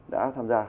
đã tham gia